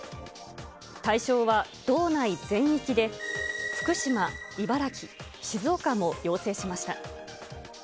対象は道内全域で、福島、茨城、静岡も要請しました。